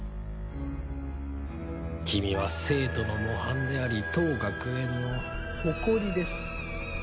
君は生徒の模範であり当学園の誇りです。